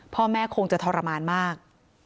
พ่อแม่คงจะทรมานมาก